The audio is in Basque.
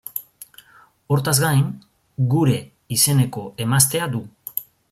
Hortaz gain, Gure izeneko emaztea du.